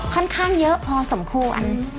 ค่อนข้างเยอะพอสมควร